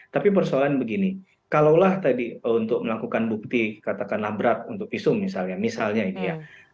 tapi persoalan begini kalaulah tadi untuk melakukan bukti katakanlah berat untuk visum misalnya misalnya itu ya